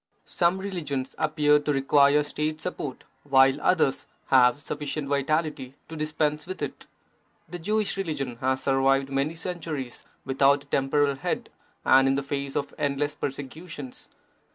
Some religions appear to require State support, while others have sufficient vitality to dispense with it. The Jewish religion has survived for many centuries without a temporal head and in the face of endless persecu tions.